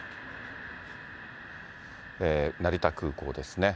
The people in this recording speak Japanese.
成田空港ですね。